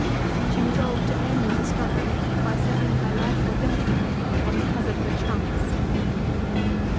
She resolved to end the struggle by setting her life or death on the hazard of a chance.